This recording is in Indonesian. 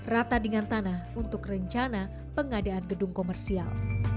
rata dengan tanah untuk rencana pengadaan gedung komersial